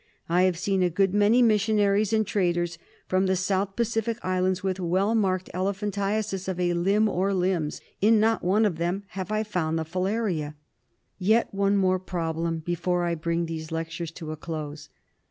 I have seen a good many missionaries and traders from the South Pacific islands with well marked elephantiasis of a limb or limbs. In not one of them have I found the filaria. Yet one more problem before I bring these lectures to a close.